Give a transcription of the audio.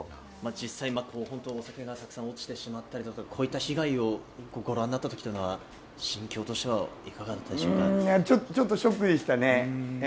実際、お酒がたくさん落ちてしまったり、こういった被害をご覧になった時というのは、心境としては、いかがだったでしちょっとショックでしたね。